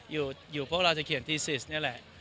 อยู่พวกเราจะเขียนทีซิสนี่แหละ